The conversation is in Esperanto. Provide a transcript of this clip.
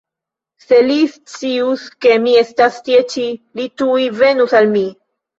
Se li scius, ke mi estas tie ĉi, li tuj venus al mi.